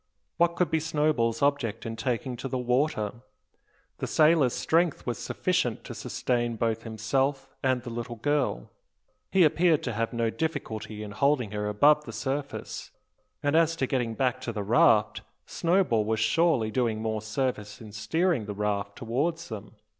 What could be Snowball's object in taking to the water? The sailor's strength was sufficient to sustain both himself and the little girl. He appeared to have no difficulty in holding her above the surface; and as to getting back to the raft, Snowball was surely doing more service in steering the raft towards them?